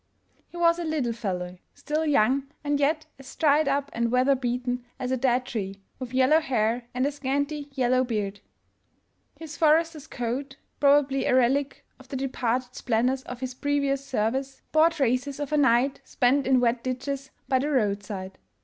He was a little fellow, still young and yet as dried up and weather beaten as a dead tree, with yellow hair and a scanty yellow beard. His forester's coat, probably a relic of the departed splendors of his previous service, bore traces of a night spent in wet ditches by the roadside.